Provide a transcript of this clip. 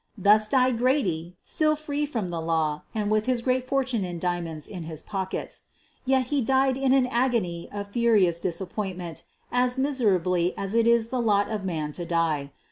Thus died Grady, still free from the law, and with his great fortune in diamonds in his pockets. Yet he died in an agony of furious disappointment as miserably as it is the lot of man to die.